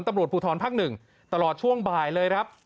ตำรวจภูทรภาค๑ตลอดช่วงบ่ายเลยครับ